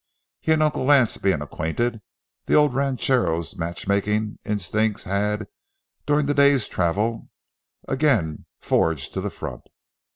He and Uncle Lance being acquainted, the old ranchero's matchmaking instincts had, during the day's travel, again forged to the front.